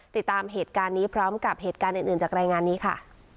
ติดตามเหตุการณ์นี้พร้อมกับเหตุการณ์อื่นจากรายงานนี้ค่ะ